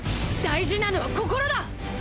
大事なのは心だ！